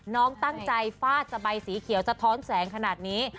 น้องตั้งใจฟาดสบายสีเขียวสะท้อนแสงขนาดนี้